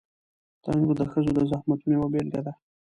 تنور د ښځو د زحمتونو یوه بېلګه ده